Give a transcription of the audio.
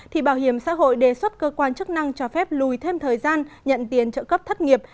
thì bảo hiểm xã hội đề xuất cơ quan chức năng cho phép lùi thêm thời gian nhận tiền trợ cấp thất nghiệp